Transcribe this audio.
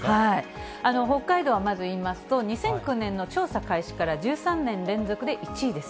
北海道はまず言いますと、２００９年の調査開始から１３年連続で１位です。